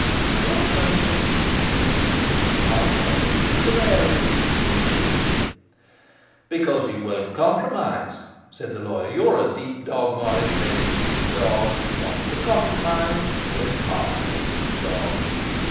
'What makes you think me deep?' asked Morris with an air of pleased simplicity. 'Because you won't compromise,' said the lawyer. 'You're deep dog, Morris, very deep dog, not t' compromise remarkable deep dog.